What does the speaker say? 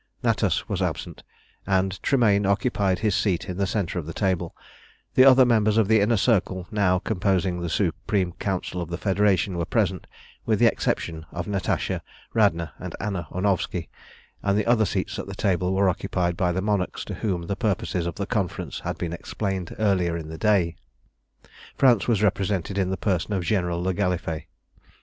Natas was absent, and Tremayne occupied his seat in the centre of the table; the other members of the Inner Circle, now composing the Supreme Council of the Federation, were present, with the exception of Natasha, Radna, and Anna Ornovski, and the other seats at the table were occupied by the monarchs to whom the purposes of the Conference had been explained earlier in the day. France was represented in the person of General le Gallifet.